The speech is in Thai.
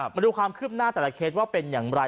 มาดูความคืบหน้าแต่ละเคสว่าเป็นอย่างไร